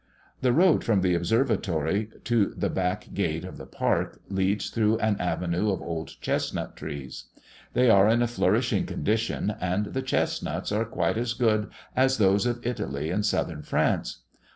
The road from the observatory to the back gate of the park leads through an avenue of old chesnut trees. They are in a flourishing condition, and the chesnuts are quite as good as those of Italy and southern France.